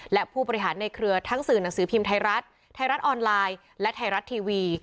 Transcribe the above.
และผู้บริหารในเครือทั้งสื่อหนังสือพิมพ์ไทยรัฐไทยรัฐออนไลน์และไทยรัฐทีวี